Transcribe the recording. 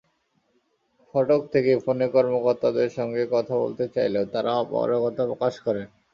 ফটক থেকে ফোনে কর্মকর্তাদের সঙ্গে কথা বলতে চাইলেও তাঁরা অপারগতা প্রকাশ করেন।